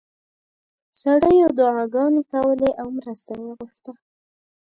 سړیو دعاګانې کولې او مرسته یې غوښته.